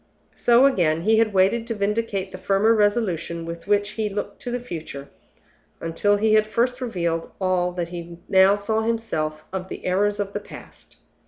So again, he had waited to vindicate the firmer resolution with which he looked to the future, until he had first revealed all that he now saw himself of the errors of the past.